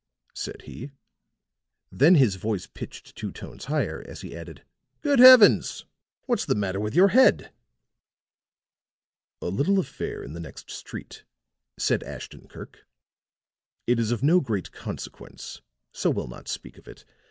said he; then his voice pitched two tones higher as he added: "Good heavens! What's the matter with your head?" "A little affair in the next street," said Ashton Kirk. "It is of no great consequence, so we'll not speak of it.